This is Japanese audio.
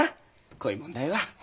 こういう問題は。